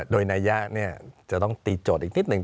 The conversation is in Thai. โดยนายะจะต้องตีโจทย์อีกนิดหนึ่ง